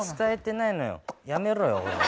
やめろよおい。